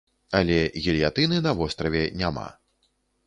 Але гільятыны на востраве няма.